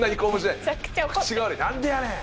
「何でやねん！」